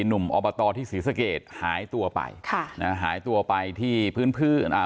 อบตที่ศรีสะเกดหายตัวไปค่ะนะฮะหายตัวไปที่พื้นพื้นอ่า